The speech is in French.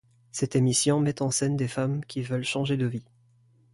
Cette émission met en scène des femmes qui veulent changer de vie.